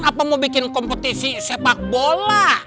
apa mau bikin kompetisi sepak bola